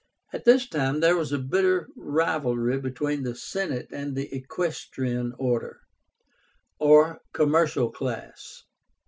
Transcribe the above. At this time there was a bitter rivalry between the Senate and the equestrian order, or commercial class.